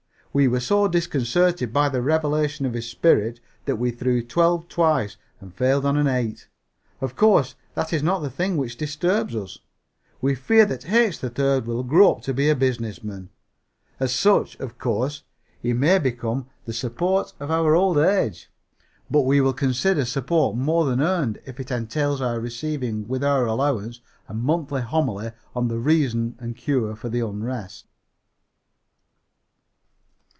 We were so disconcerted by the revelation of his spirit that we threw twelve twice and failed on an eight. Of course, that is not the thing which disturbs us. We fear that H. 3rd will grow up to be a business man. As such, of course, he may become the support of our old age, but we shall consider support more than earned if it entails our receiving with our allowance a monthly homily on the reason and cure for unrest.